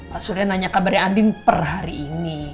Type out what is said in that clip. pak surya nanya kabarnya andin per hari ini